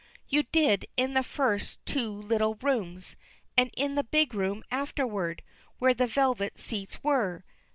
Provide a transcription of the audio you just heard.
"You did in the first two little rooms and in the big room afterward, where the velvet seats were.